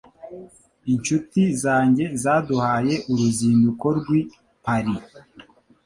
Inshuti zanjye zaduhaye uruzinduko rwi Paris.